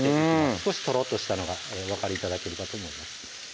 少しとろっとしたのがお分かり頂けるかと思います